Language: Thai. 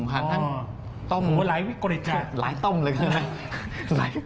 ผ่านทั้งต้มหลายต้มเลยนะ